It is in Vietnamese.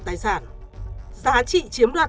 tài sản giá trị chiếm đoạt